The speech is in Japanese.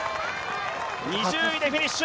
２０位でフィニッシュ。